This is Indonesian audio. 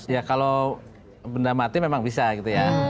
ya kalau benda mati memang bisa gitu ya